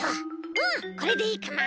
うんこれでいいかな？